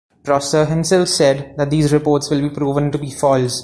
Prosser himself said that these reports will be proven to be false.